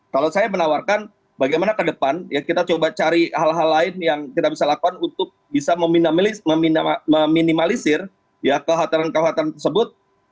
kalau saya menawarkan bagaimana ke depan kita coba cari hal hal lain yang kita bisa lakukan untuk bisa meminimalisir kekhawatiran kekhawatiran tersebut